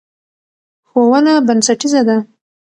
ښوونه بنسټیزه ده.